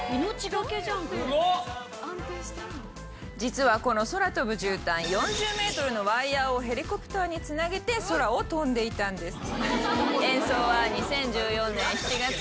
実はこの空飛ぶ絨毯４０ｍのワイヤをヘリコプターにつなげて空を飛んでいたんです。